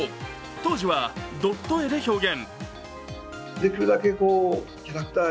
当時はドット絵で表現。